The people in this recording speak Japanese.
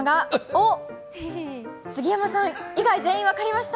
杉山さん以外全員分かりました。